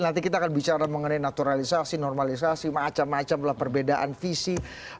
nanti kita akan bicara mengenai naturalisasi normalisasi macam macam lah perbedaan visi